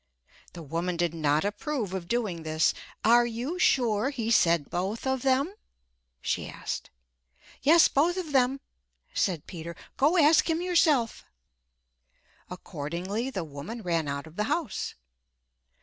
The woman did not approve of doing this. "Are you sure he said both of them?" she asked. "Yes, both of them," said Peter. "Go ask him yourself." Accordingly, the woman ran out of the house.